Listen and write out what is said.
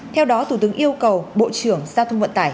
theo đó thủ tướng yêu cầu bộ trưởng giao thông vận tải